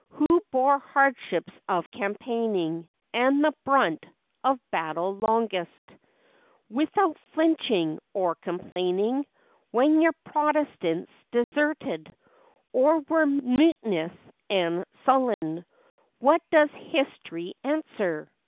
Who bore hardships of campaigning, And the brunt of battle longest, 128 FACTS AND FANCIES. Without flinching, or complaining, When your Protestants deserted, Or were mutinous and sullen ? What does history answer